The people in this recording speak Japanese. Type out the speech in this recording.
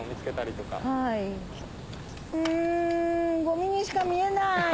ゴミにしか見えない。